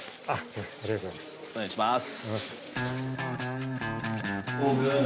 お願いします。